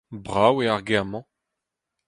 Brav eo ar gêr-mañ.